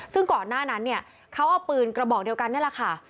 ซึ่งก่อนหน้านั้นเนี่ยเขาเอาปืนกระบอกเดียวกันนี่แหละค่ะ